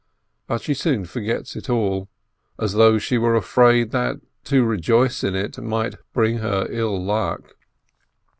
But she soon forgets it all, as though she were afraid that to rejoice in it might bring her ill luck.